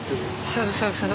そうそうそう。